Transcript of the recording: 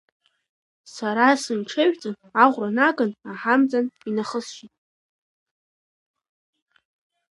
Сара сынҽыжәҵын, аӷәра наган аҳамҵан инахысшьит.